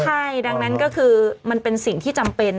ใช่ดังนั้นก็คือมันเป็นสิ่งที่จำเป็น